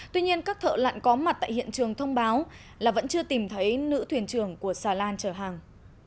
tuy nhiên các thợ lặn có mặt tại hiện trường thông báo là vẫn chưa tìm thấy nữ thuyền trưởng của xà lan chở hàng